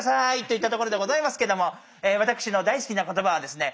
といったところでございますけども私の大好きな言葉はですね